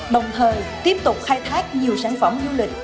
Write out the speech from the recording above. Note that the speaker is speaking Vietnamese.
đồng thời tiếp tục khai thác nhiều sản phẩm du lịch